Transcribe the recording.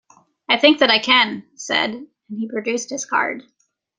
"I think that I can," he said, and he produced his card.